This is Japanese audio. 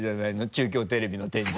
中京テレビの天井。